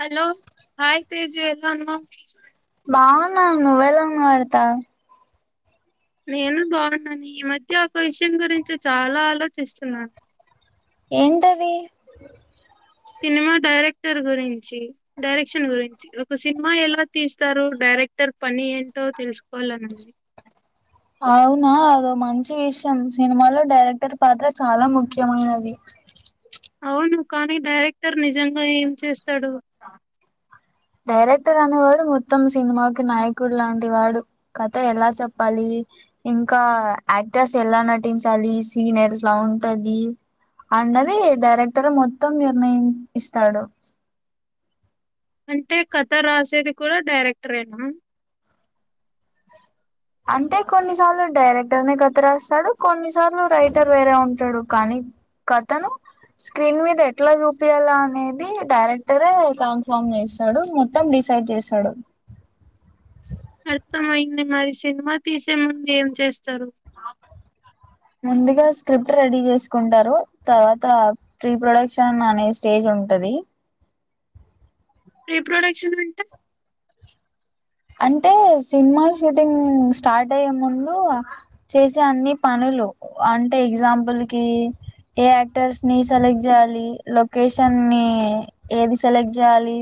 Hello hi Taju ఎలా బాగునా నువ్వెలా ను వతా నేను బాగున్నాను ఈ మధ్య ఒక విషయం గురించి చాలా ఆలోచిస్తున్నాను ఏంటది సినిమా డైరెక్టర్ గురించి డైరెక్షన్ గురించి ఒక సినిమా ఎలా తీస్తారో డైరెక్టర్ పని ఏంటో తెలుసుకోవాలనిది అవునా అదో మంచి విషయం సినిమాలో డైరెక్టర్ పాత్ర చాలా ముఖ్యమైనది అవును కానీ డైరెక్టర్ నిజంగా ఏం చేస్తాడు డైరెక్టర్ అనేవాడు మొత్తం సినిమాకి నాయకుడు లాంటి వాడు కథ ఎలా చెప్పాలి ఇంకా యాక్టర్స్ ఎలా నటించాలి సీనియర్ లా ఉంటది అన్నది డైరెక్టర్ మొత్తం నిర్ణయిస్తాడు అంటే కథ రాసేది కూడా డైరెక్టర్ అేనా అంటే కొన్నిసార్లు డైరెక్టర్ కథ రాస్తాడు కొన్నిసార్లు రైటర్ వేరే ఉంటాడు కానీ కథను స్క్రీన్ మీద ఎట్లా చూపిించాల అనేది డైరెక్టరే కన్ఫామ్ చేస్తాడు మొత్తం డిసైడ్ చేశాడు అర్థంమయింది మరి సినిమా తీసే ముందు ఏం చేస్తారు ముందుగా స్క్రిప్ట్ రెడీ చేసుకుంటారు తర్వాత ప్రీ ప్రొడక్షన్ అనే స్టేజ్ ఉంటది రిప్రొడక్షన్ అంటా అంటే సినిమా షూటింగ్ స్టార్ట్ అయ్యే ముందు చేసే అన్ని పనులు అంటే ఎగ్జాంపుల్ కి ఏ యాక్టర్స్ ని సెలెక్ట్ చేయాలి లొకేషన్ని ని ఏది సెలెక్ట్ చేయాలి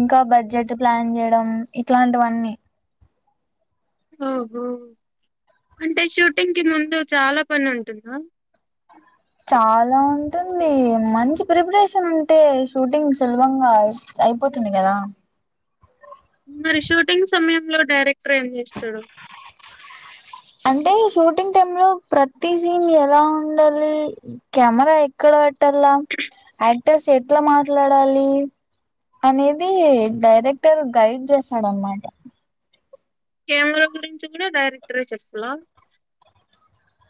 ఇంకా బడ్జెట్ ప్లాన్ చేయడం ఇట్లాంటివన్నీ ఓహో అంటే షూటింగ్ కి ముందు చాలా పని ఉంటుందా చాలా ఉంటుంది మంచి ప్రిపరేషన్ ఉంటే షూటింగ్ సులభంగా అయిపోతుంది కదా మరి షూటింగ్ సమయంలో డైరెక్టర్ ఏం చేస్తాడు అంటే షూటింగ్ టైమ్ లో ప్రతి సీన్ ఎలా ఉండాలి కెమెరా ఎక్కడ పెట్టాల యాక్టర్స్ ఎట్లా మాట్లాడాలి అనేది డైరెక్టర్ గైడ్ చేస్తాడ అనమాట కెమెరా గురించి కూడా డైరెక్ట్గా చెప్పలా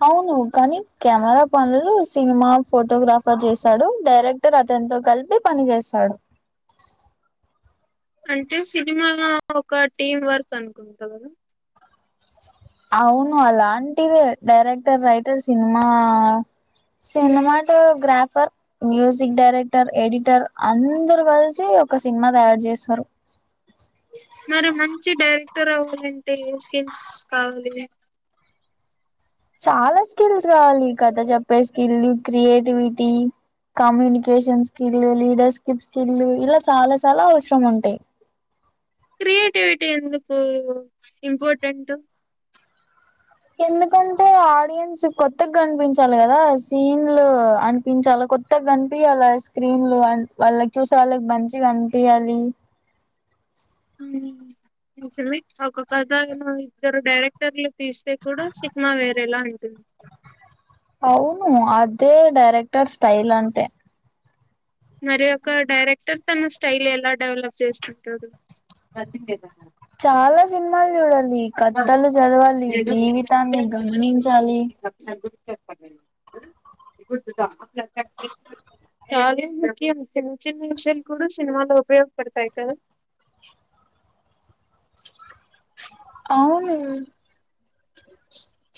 అవును. కానీ కెమెరా పనులు సినిమా ఫోటోగ్రాఫర్ చేస్తడు. డైరెక్టర్ అతనితో కలిపి పని చేస్తాడు. అంటే సినిమాగా ఒక టీమ్ వర్క్ అనుకుంటా కదా అవును అలాంటిదే director writer cinema cinematographer music director editor అందరు కలిసి ఒక సినిమా తయారు చేస్తారు. మరి మంచి డైరెక్టర్ అవ్వాలం డి స్కిల్స్ కావాలి చాలా స్కిల్స్ కావాలి. కథ చెప్పే skill creativity communication skill leadership skill ఇలా చాలా చాలా అవసరం ఉంటాయి. క్రియేటివిటీ ఎందుకు ఇంపార్టెంట్ ఎందుకంటే ఆడియన్స్ కొత్తగా కనిపించాలి. కదా సీన్లు అనిపించాలి. కొత్తగా కనిపియాలి స్క్రీన్లు వాళ్ళకి చూసే వాళ్ళకి మంచిగా ఆనిపియాలి ఉ [unintelligible] ఒక కథ కూడా ఇత్తరు డైరెక్టర్లు తీస్తే కూడా సినిమా వేరేలా ఉంటుంది ఉ అదే డైరెక్టర్ స్టైల్ అంటే మరి ఓ క డైరెక్టర్ తన స్టైల్ ఎలా డెవలప్ చేస్తుంటాడు యాక్టింగే కదా చాలా సినిమాల్ చూడాలి కధలు చదవాలి జీవితాన్ని గమనించాలి. అ [inaudible] డుతు [unintelligible] చాలు [unintelligible] చిన్న చిన్న విషయాలు కూడా సినిమాలో ఉపయోగపడతాయి కదా అవును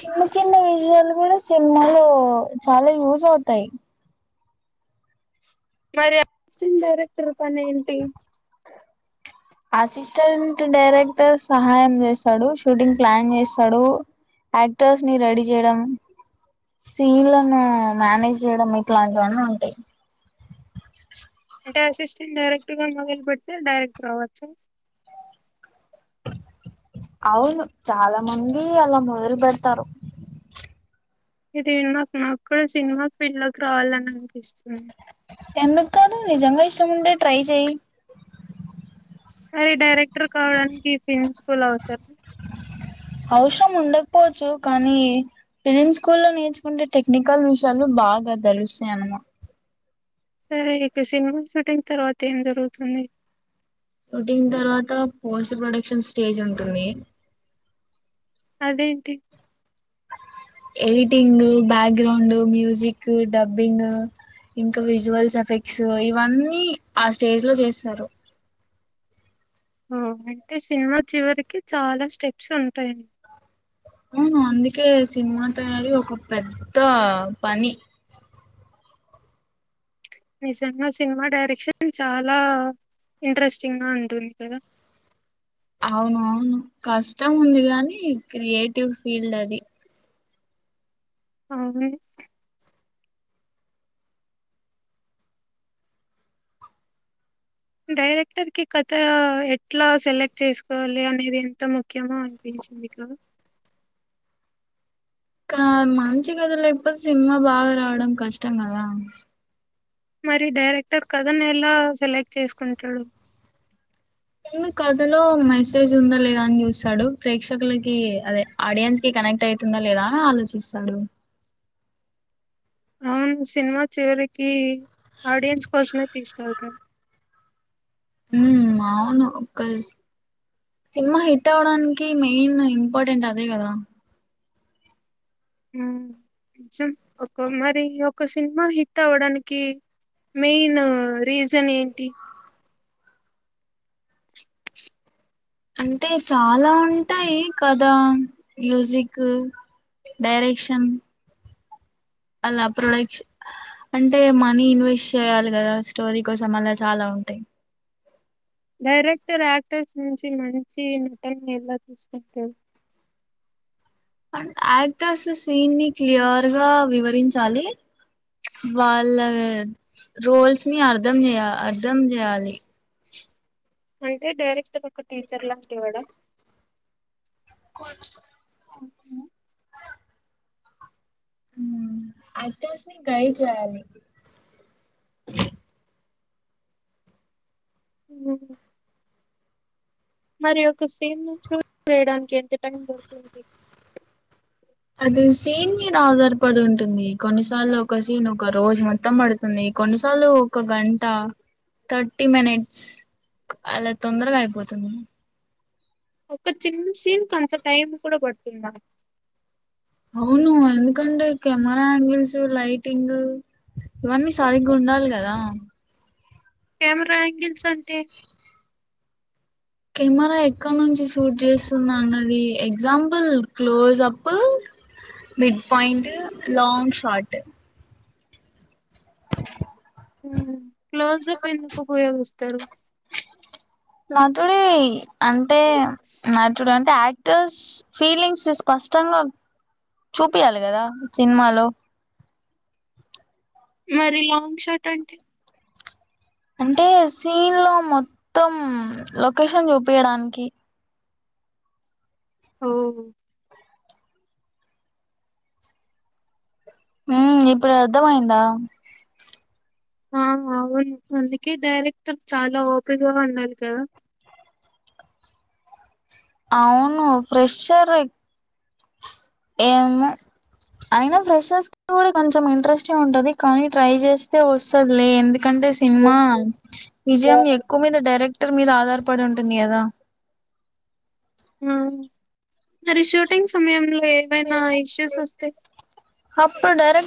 చిన్న చిన్న విజువల్ కూడా సినిమాలో చాలా యూస్ అవుతాయి మరి అసిటెంట్ డైరెక్టర్ పనేంటి అసిస్టెంట్ డైరెక్టర్ సహాయం జేస్తాడు షూటింగ్ ప్లాన్ జెస్తాడు. యాక్టర్స్ ని రెడీ చేయడం సీన్లను మేనేజ్ చేయడం. ఇట్లాంటివన్నీ ఉంటాయి. అంటే అసిస్టెంట్ డైరెక్టర్ గా మొదలు పెడితే డైరెక్ట్ అవ్వచ్చా అవును చాలా మంది అలా మొదలు పెడతారు ఇది నాకు నాకు కూడా సినిమా ఫీల్డ్ లోకి రావాలని పిస్తుంది. ఎందుక్ కాదు నిజంగా ఇష్టముంటె ట్రై చేయి సరే డైరెక్టర్ కావడానికి ఫిమ్స్ స్కూల్ కూడా అవసరం అవసరం ఉండకపోవచ్చు. కానీ ఫిలిం స్కూల్ లో నేర్చుకుంటే టెక్నికల్ విషయాలు బాగా దేలుస్తాయన్నమాట సరే ఇక సినిమా షూటింగ్ తర్వాత ఏం జరుగుతుంది. షూటింగ్ తర్వాత పోస్ట్ ప్రొడక్షన్ స్టేజ్ ఉంటుంది. అదేంటి ఎడిటింగ్ బ్యాక్గ్రౌండ్ మ్యూజిక్ డబ్బింగ్ ఇంకా విజువల్స్ ఎఫెక్ట్స్ ఇవన్నీ ఆ స్టేజ్ లో చేస్తారు. ఓ అంటే సినిమా చివరికి చాలా స్టెప్స్ ఉంటాయి. ఉ హ్ అందుకే సినిమా తయారీ ఒక పెద్ద పని నిజంగా సినిమా డైరెక్షన్ చాలా ఇంట్రెస్టింగా ఉంటుంది కదా అవును అవును కష్టం ఉంది గానీ క్రియేటివ్ ఫీల్డ్ అది అవునే డైరెక్టర్ కి కథ ఎట్లా సెలెక్ట్ చేసుకోవాలి అనేది ఎంత ముఖ్యమో అనిపించింది గా క మంచి కథలు ఎప్పుడు సినిమా బాగా రావడం కష్టం గాదా మరి డైరెక్టర్ కథనేల సెలెక్ట్ చేసుకుంటాడు ఉ కథలో మెసేజ్ ఉందా లేదా అని చూస్తాడు. ప్రేక్షకులకి అదే ఆడియన్స్ కి కనెక్ట్ అవుతుందా లేదా అని ఆలోచిస్తాడు. అవును సినిమా చివరికి ఆడియన్స్ కోసమే [unintelligible] సినిమా హిట్ అవడానికి మెయిన్ ఇంపార్టెంట్ అదే కదా హ్మ్ ఒకే మరి ఒక సినిమా హిట్ అవడానికి మెయిన్ రీజన్ ఏంటి? అంటే చాలా ఉంటాయి కథ మ్యూజిక్ డైరెక్షన్ అలా ప్రొడక్షన్ అంటే మనీ ఇన్వెస్ట్ చేయాలి కదా స్టోరీ కోసం అలా చాలా ఉంటాయి డైరెక్టర్ యాక్టర్స్ నుంచి మంచి నటన ఎలా చూసుకుంటారు అ యాక్టర్స్ సీన్ ని క్లియర్గా వివరించాలి వాళ్ళ రోల్స్ ని అర్థం చేయాలి అర్థం చేయాలి అంతే డైరెక్ట్ [unintelligible] కు యాక్టర్స్ని గైడ్ చేయాలి అ మరి ఒక సీన్ ను షూట్ చేయడానికి ఎంత టైం అతుంది అది సీన్ మీద ఆధారపడి ఉంటుంది కొన్నిసార్లు ఒక సీన్ ఒక రోజు మొత్తం పడుతుంది కొన్నిసార్లు ఒక గంట థర్టీ మినిట్స్ అలా తొందరగా అయిపోతుంది ఒక చిన్న సీన్ కి అంత టైం కూడా పడుతుందా అవును ఎందుకంటే కెమెరా యాంగిల్స్ లైటింగ్ ఇవన్నీ సరిగ్గా ఉండాలి కదా కెమెరా యాంగిల్స్ అంటే కెమెరా ఎక్కడ నుంచి షూట్ చేస్తుంది అన్నది example close up mid point long shot హ క్లోజప్ ఎందుకు ఉపయోగి తరు నంటుడి అంటే నటుడు అంటే యాక్ టర్స్ ఫీలింగ్స్ స్పష్టంగా చూపియాలి కదా సినిమాలో మరి లాంగ్ షర్ట్ అంటే అంటే సీన్ లో మొత్తం లొకేషన్ చూపించడానికి ఆ ఉ ఇప్పుడు అర్థమయిందా ఆ అవును అందుకే డైరెక్టర్ చాలా ఓపిగా ఉండాలి కదా అవును ఫ్రెషర్ ఏమో అయినా ఫఫ్రెష్ కి కూడా కొంచెం ఇంట్రెస్టింగ్ ఉంటది కానీ ట్రై చేస్తే వస్తుది లే [unintelligible] ఎందుకంటే సినిమా ఆ! విజయం ఎక్కువ మీద డైరెక్ట్ క్టర్ మీద ఆధార్ పడి ఉంటుంది కదా మ్మ్ మరి షూటింగ్ సమయంలో ఏవైనా ఇష్యూస్ వస్తె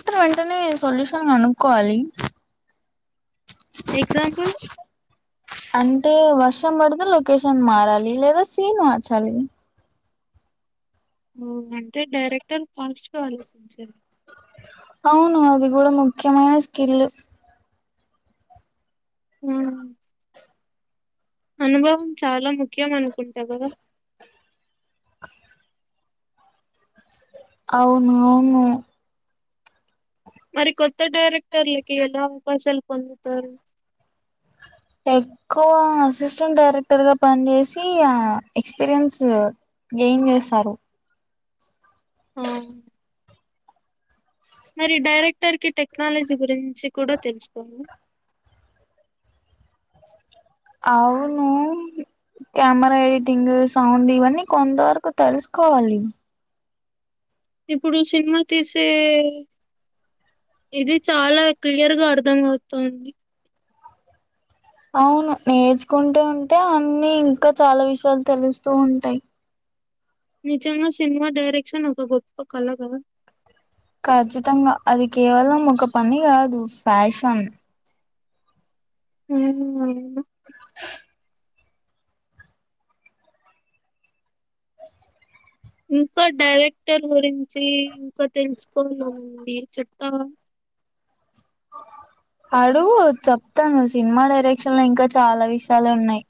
క్టర్ వెంటనే సొల్యూషన్ కనుక్కకోవాలి ఎగ్జాంపుల్? అంటే వ వర్షం పడితే లొకేషన్ మారాలి లేదా సీన్ మార్చాలి ఓ అంటే డైరెక్టర్ ఫస్ట్ గా ఆలోచించాలి అవును అది కూడా ముఖ్యమైన స్కిల్ మ్మ్ అనుభవం చాలా ముఖ్యం అనుకుంటా కదా అవును అవును మరి కొత్త డైరెక్టర్లకి ఎలా అవకాశాలు పొందుతారు ఎక్కువ అసిస్టెంట్ డైరెక్టర్ గా పని చేేసి ఆ ఎక్స్పీరియన్స్ గెన్ చేస్తారు ఆ మరి డైరెక్టర్ కి టెక్నాలజీ గురించి కూడా తెలుసుకోలా అవును కెమెరా ఎడిటింగ్ సౌండ్ ఇవన్నీ కొంతవరకు తెలుసుకోవాలి ఇప్పుడు సినిమా తీసే ఇది చాలా క్లియర్ గా అర్థం అవుతుంది అవును నేర్చుకుంటూ ఉంటే అన్నిీ ఇంకా చాలా విషయాలు తెలుస్తూ ఉంటాయి నిజంగా సినిమా డైరెక్షన్ ఒక గొప్పప్ప కల కద ఖచ్చితంగా అది కేవలం ఒక పని కాదు ఫ్యాషన్ అ ఇంకా డైరెక్టర్ గురించి ఇంకా తెలుసుకోవాలండి చెప్తావా అడుగు చెప్తాను సినిమా డైరెక్షన్ లో ఇంకా చాలా విషయాలు ఉన్నాయి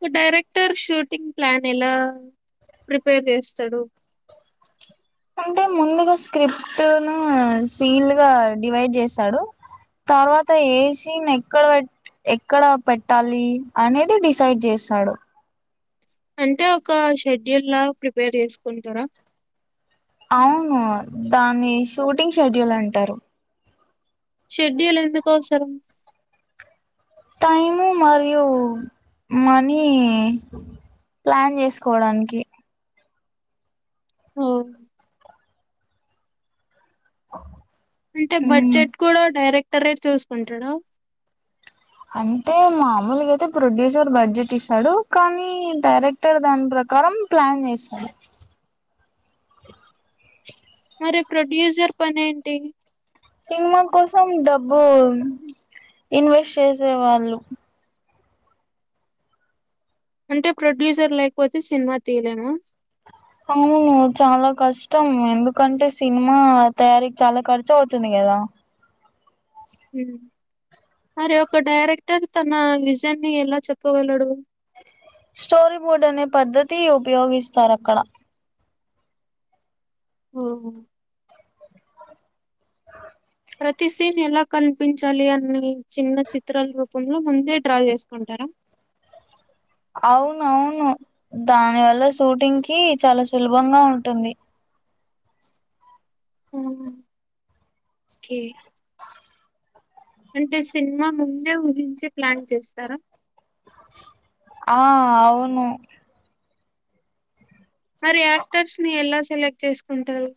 ఒక డైరెక్టర్ షూటింగ్ ప్లాన్ ఎలా ప్రిపేర్ చేస్తాడు అంటే ముందుగా స్క్రిప్ట్ ను సీన్ గా డివైడ్ చేశాడు తర్వాత ఏ సీన్ ఎక్కడ పె ఎక్కడ పెట్టాలి అనేది డిసైడ్ చేస్తాడు అంటే ఒక షెడ్యూలా ప్రిపేర్ చేసుకుంటారా అవును దాని షూటింగ్ షెడ్యూల్ అంటారు షెడ్యూల్ ఎందుకు అవసరం టైము మరియు మనీ ప్లాన్ చేసుకోవడానికి ఆ అంటే ఉమ్ బడ్జెట్ కూడా డైరెక్ట్ రేట్ చూసుకుంటాడు అంటే మామూలుగా అయితే ప్రొడ్యూసర్ బడ్జెట్ ఇస్తాడు కానీ డైరెక్టర్ దాని ప్రకారం ప్లాన్ చేస్తాడు మరి ప్రొడ్యూసర్ పని ఏంటి సినిమా కోసం డబ్బు ఇన్వెస్ట్ చేసే వాళ్ళు అంటే ప్రొడ్యూసర్ లేకపోతే సినిమా తీయలేమ అవును చాలా కష్టం ఎందుకంటే సినిమా తయారీకి చాలా ఖర్చు అవుతుంది కదా మరి ఒక డైరెక్టర్ తన విజన్ ని ఎలా చెప్పగలడు స్టోరీ బోర్డ్ అనే పద్ధతి ఉపయోగిస్తారు అక్కడ హఓ ప్రతిసీన్ ఎలా క చూపించాలి అనే చిన్న చిత్రాల రూపంలో ముందే డ్రా చేసుకుంటారా అవును అవును దాని వల్ల షూటింగ్ కి చాలా సులభంగా ఉంటుంది కే అంటే సినిమా ముందే ఊహించి ప్లాన్ చేస్తారా ఆ అవును మరి యాక్టర్స్ ని ఎలా సెలెక్ట్ చేసుకుంటారు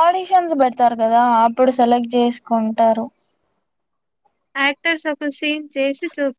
ఆడిషన్స్ పెడతారు కదా అప్పుడు సెలెక్ట్ చేసుకుంటారు యాక్టర్స్ ఒక సీన్ చేసి చు